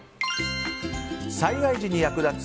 災害時に役立つ